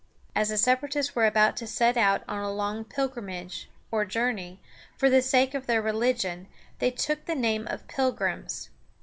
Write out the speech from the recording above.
As the Separatists were about to set out on a long pilgrimage, or journey, for the sake of their religion, they took the name of Pilgrims.